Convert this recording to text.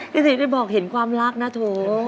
สิได้บอกเห็นความรักนะโถ